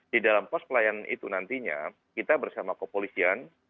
di dalam pos pelayanan itu nantinya kita bersama kepolisian